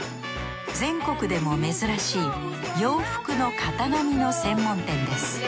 全国でも珍しい洋服の型紙の専門店です